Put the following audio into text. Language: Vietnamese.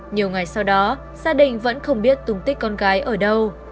nhiều ngày sau đó gia đình vẫn không biết tung tích con gái ở đâu